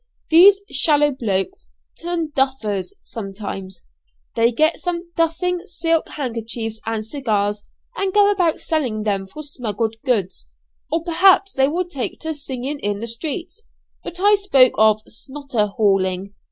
These 'shallow blokes' turn 'duffers' sometimes. They get some 'duffing' silk handkerchiefs and cigars, and go about selling them for smuggled goods; or perhaps they will take to singing in the streets. But I spoke of 'snotter hauling.'